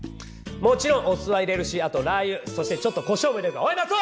もちろんおすは入れるしあとラー油そしてちょっとコショウも入れおいマツオ！